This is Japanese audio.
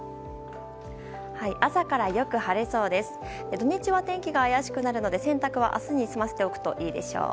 土日は天気が怪しくなるので洗濯は明日に済ませておくといいでしょう。